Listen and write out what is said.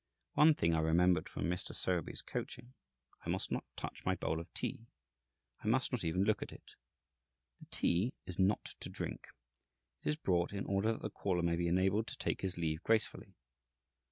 One thing I remembered from Mr. Sowerby's coaching I must not touch my bowl of tea. I must not even look at it. The tea is not to drink; it is brought in order that the caller may be enabled to take his leave gracefully.